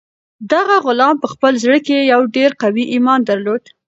دغه غلام په خپل زړه کې یو ډېر قوي ایمان درلود.